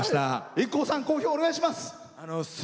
ＩＫＫＯさん講評をお願いします。